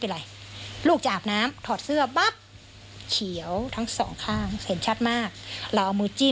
เหจจะเสร็จกับสวนช้ำแผสนี่